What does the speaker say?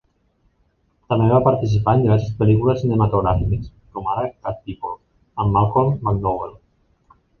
També va participar en diverses pel·lícules cinematogràfiques, com ara "Cat People" amb Malcolm McDowell.